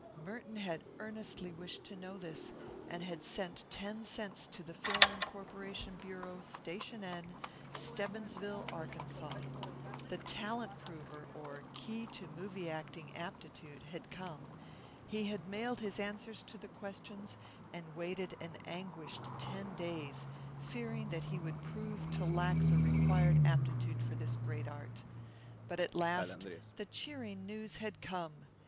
Merton had earnestly wished to know this, and had sent ten cents to the Film Incorporation Bureau, Station N, Stebbinsville, Arkansas. The Talent Prover, or Key to Movie Acting Aptitude, had come; he had mailed his answers to the questions and waited an anguished ten days, fearing that he would prove to lack the required aptitude for this great art. But at last the cheering news had come.